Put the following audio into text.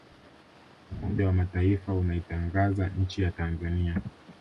umoja wa mataifa unaitangaza nchi ya tanzania